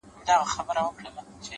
هره ورځ د اصلاح نوې موقع ده؛